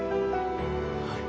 はい。